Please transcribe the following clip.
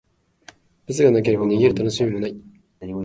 罰がなければ、逃げるたのしみもない。